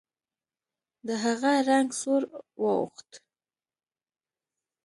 د هغه رنګ سور واوښت.